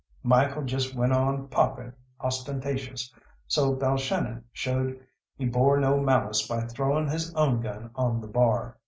Michael just went on popping ostentatious, so Balshannon showed he bore no malice by throwing his own gun on the bar.